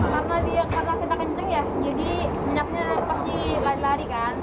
karena kita kenceng ya minyaknya pasti lari lari kan